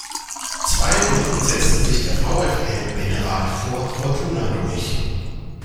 Zwei Runden setzte sich der VfL Benrath vor Fortuna durch.